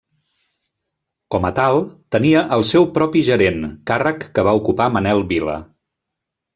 Com a tal, tenia el seu propi gerent, càrrec que va ocupar Manel Vila.